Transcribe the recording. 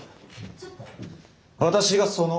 私がその。